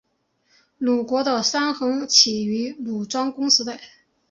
鲁国的三桓起于鲁庄公时代。